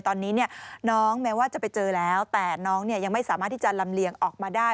ตอนนี้น้องแม้ว่าจะไปเจอแล้วแต่น้องยังไม่สามารถที่จะลำเลียงออกมาได้